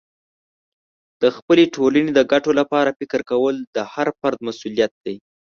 د خپلې ټولنې د ګټو لپاره فکر کول د هر فرد مسئولیت دی.